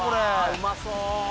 うまそう。